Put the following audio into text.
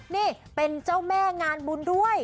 นี่เป็นเจ้าแม่งานบุญด้วย